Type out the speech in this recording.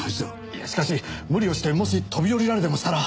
いやしかし無理をしてもし飛び降りられでもしたら。